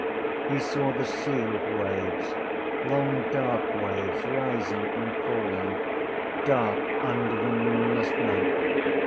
He saw the sea of waves, long dark waves rising and falling, dark under the moonless night.